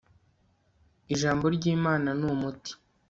ijambo ryimana ni umuti